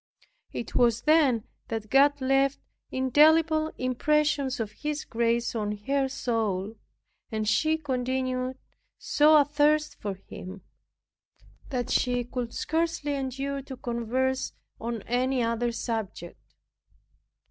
It was then that God left indelible impressions of His grace on her soul, and she continued so athirst for Him, that she could scarcely endure to converse on any other subject.